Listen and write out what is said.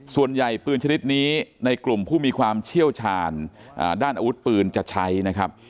ปืนชนิดนี้ในกลุ่มผู้มีความเชี่ยวชาญด้านอาวุธปืนจะใช้นะครับ